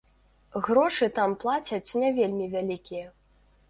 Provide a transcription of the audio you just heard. Грошы там плацяць не вельмі вялікія.